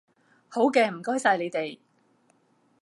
好嘅，唔該曬你哋